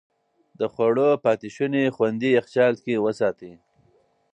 د خوړو پاتې شوني خوندي يخچال کې وساتئ.